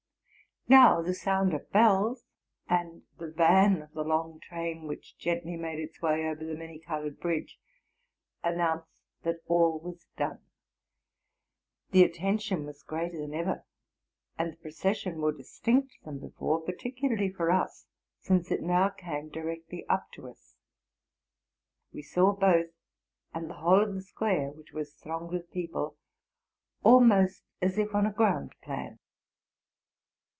Now the sound of bells, and the van of the long train which gently made its way over the many colored bridge, announced that all was done. The attention was ereater than ever, and the procession more distinet than before, par ticularly for us, since it now came directly up to us. We saw both, and the whole of the square, which was thronged with people, almost as if on a ground plan.